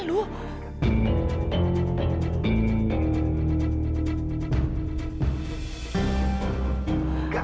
mereka tuh harus menikah